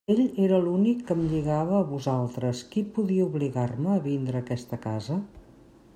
Ell era l'únic que em lligava a vosaltres, qui podia obligar-me a vindre a aquesta casa.